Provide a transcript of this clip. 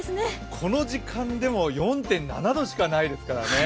この時間でも４．７度しかないですからね。